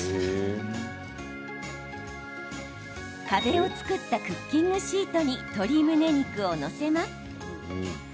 壁を作ったクッキングシートに鶏むね肉を載せます。